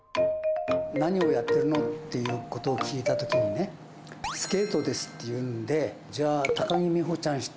何をやってるの？っていうことを聞いたときにね、スケートですって言うんで、じゃあ、高木美帆ちゃん